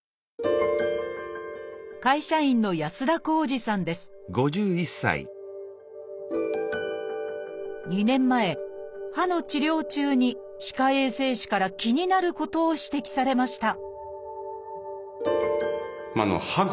会社員の２年前歯の治療中に歯科衛生士から気になることを指摘されました